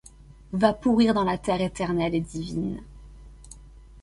Va pourrir dans la terre éternelle et divine